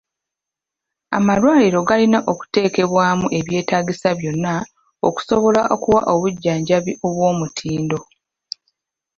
Amalwaliro galina okuteekebwamu e byetaagisa byonna okusobola okuwa obujjanjabi obw'omutindo.